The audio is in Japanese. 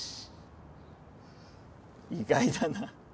意外だな